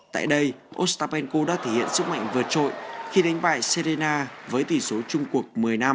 tại đây ostapenko đã thể hiện sức mạnh vượt trội khi đánh bại serena với tỷ số trung quốc một mươi năm